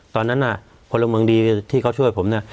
ตอนนั้นน่ะพลเมืองดีที่เขาช่วยผมเนี่ย